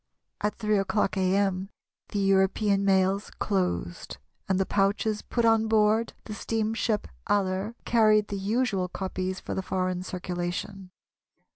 At 3 o'clock a.m. the European mails closed, and the pouches put on board the steamship Aller carried the usual copies for the foreign circulation.